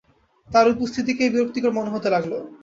তার উপস্থিতিকেই বিরক্তিকর মনে হতে লাগল।